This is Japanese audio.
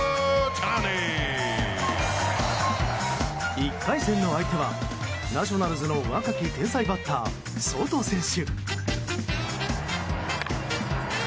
１回戦の相手はナショナルズの若き天才バッターソト選手。